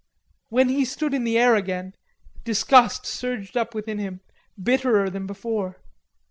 When he stood in the air again, disgust surged up within him, bitterer than before.